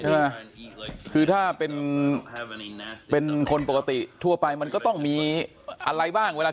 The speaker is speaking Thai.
ใช่ไหมคือถ้าเป็นเป็นคนปกติทั่วไปมันก็ต้องมีอะไรบ้างเวลา